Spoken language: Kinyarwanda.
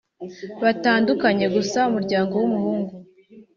batandukanye gusa umuryango w’umuhungu